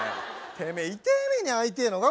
てめえ痛え目に遭いてえのか